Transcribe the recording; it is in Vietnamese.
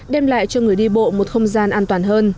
đem lại cho người đi bộ